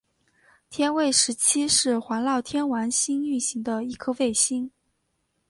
天卫十七是环绕天王星运行的一颗卫星。